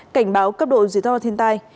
cảnh báo cấp độ dưới to thiên tai